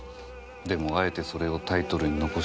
でもあえてそれをタイトルに残した。